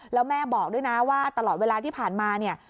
แล้วแม่บอกด้วยนะว่าตลอดเวลาที่ผ่านมาเนี่ย